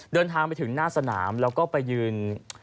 เดินทางไปถึงหน้าสนามแล้วก็ไปยืน